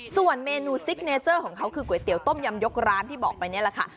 ส่วนเมนูซิกเนเจอร์ของเขาคือก๋วยเตี๋ต้มยำยกร้านที่บอกไปนี่แหละค่ะ